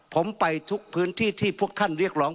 ผมไปทุกพื้นที่ที่พวกท่านเรียกร้อง